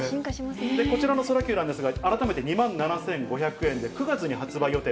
こちらのソラキューなんですが、改めて２万７５００円で９月に発売予定。